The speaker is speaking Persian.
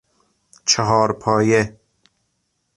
چهار پایه